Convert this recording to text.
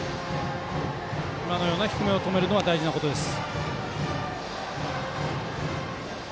今のような低めを止めるのは大事なことです。